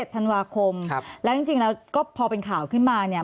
ธันวาคมแล้วจริงแล้วก็พอเป็นข่าวขึ้นมาเนี่ย